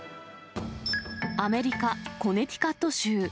アメリカ・コネティカット州。